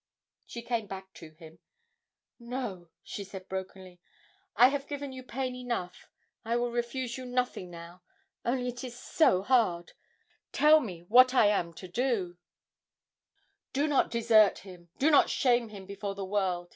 She came back to him. 'No,' she said brokenly, 'I have given you pain enough, I will refuse you nothing now, only it is so hard tell me what I am to do!' 'Do not desert him, do not shame him before the world!'